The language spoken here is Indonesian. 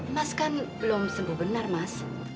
mas kan belum sembuh benar mas